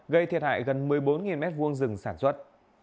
gây thiệt hại gần một mươi bốn m hai rừng sản xuất